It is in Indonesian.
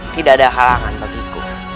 tidak ada halangan bagiku